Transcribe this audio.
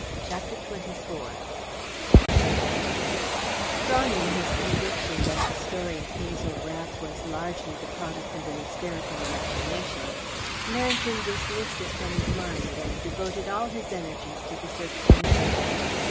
CHAPTER XXIV Strong in his conviction that the story of Hazel Rath was largely the product of an hysterical imagination, Merrington dismissed it from his mind and devoted all his energies to the search for Nepcote.